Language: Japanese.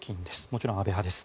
もちろん安倍派です。